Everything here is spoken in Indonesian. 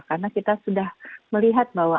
karena kita sudah melihat bahwa